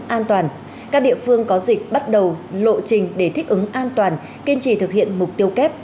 an toàn các địa phương có dịch bắt đầu lộ trình để thích ứng an toàn kiên trì thực hiện mục tiêu kép